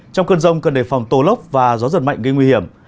trong cơn rông cần đề phòng tố lốc và gió giật mạnh gây nguy hiểm